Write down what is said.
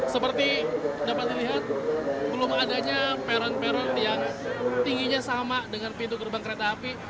seperti dapat dilihat belum adanya peron peron yang tingginya sama dengan pintu gerbang kereta api